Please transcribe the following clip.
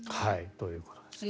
ということです。